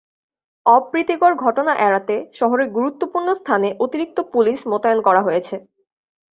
অপ্রীতিকর ঘটনা এড়াতে শহরের গুরুত্বপূর্ণ স্থানে অতিরিক্ত পুলিশ মোতায়েন করা হয়েছে।